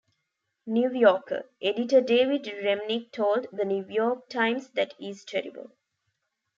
"New Yorker" editor David Remnick told "The New York Times", "That is terrible.